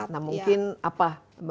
nah mungkin apa